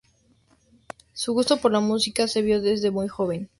Su gusto por la música se vio desde muy joven.